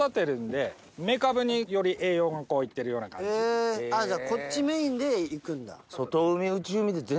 へぇじゃあこっちメインでいくんだ。